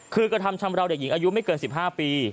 คือกระทำชำราวเด็กหญิงอายุไม่เกิน๑๕ปี